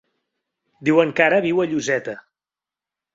Diuen que ara viu a Lloseta.